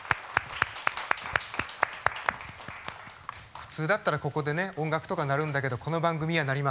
普通だったらここでね音楽とか鳴るんだけどこの番組は鳴りません。